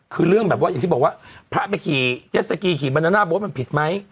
คือเรื่องแบบว่าอย่างที่บอกว่าพระไปขี่เจ็ดสกีขี่บรรดาหน้าโบ๊ทมันผิดไหม